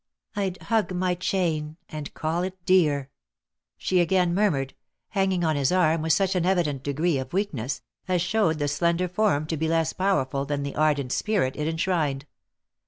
" I'd hug my chain, and call it dear!" — she again murmured, hanging on his arm with such an evident degree of weakness, as showed the slender form to be less powerful than the ardent spirit it enshrined.